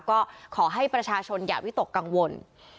ก็ขอให้ประชาชนอย่าวิตกกังวล